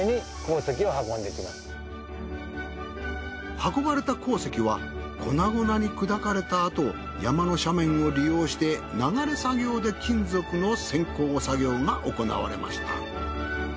運ばれた鉱石は粉々に砕かれたあと山の斜面を利用して流れ作業で金属の選鉱作業が行われました。